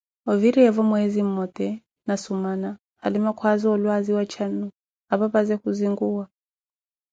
Oviriyevo mwezi ummote na sumana, alima kwaza olwaziwa txannu, apapaze kuhzinkuwa